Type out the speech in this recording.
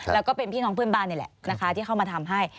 แล้วก็เป็นพี่น้องเพื่อนบ้านนี่แหละนะคะที่เข้ามาทำให้